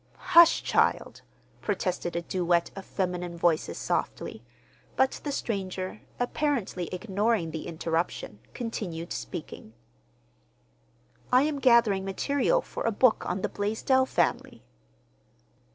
"Hush, child!" protested a duet of feminine voices softly; but the stranger, apparently ignoring the interruption, continued speaking. "I am gathering material for a book on the Blaisdell family."